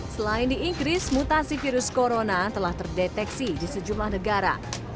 selain di inggris mutasi virus corona telah terdeteksi di sejumlah negara